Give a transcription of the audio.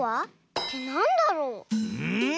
ってなんだろう？